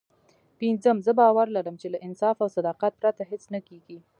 پينځم زه باور لرم چې له انصاف او صداقت پرته هېڅ نه کېږي.